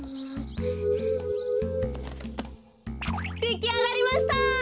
できあがりました。